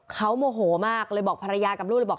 เขาโมโหมากเลยบอกภรรยากับลูกเลยบอก